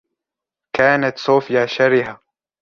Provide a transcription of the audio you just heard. كانت صوفيا شرهة.